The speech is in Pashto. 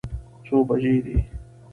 څو بجې دي.